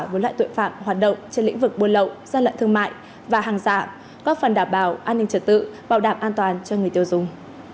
với loại tội phạm hoạt động trên lĩnh vực buôn lậu gian lận thương mại và hàng giả góp phần đảm bảo an ninh trật tự bảo đảm an toàn cho người tiêu dùng